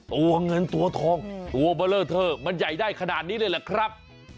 ตัวเงินตัวทองตัวเบลอเทอมันใหญ่ได้ขนาดนี้เลยแหละครับ